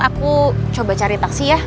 aku coba cari taksi ya